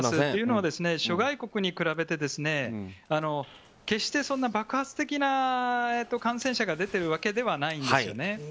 というのは、諸外国に比べて決してそんな爆発的な感染者が出ているわけではないんですよね。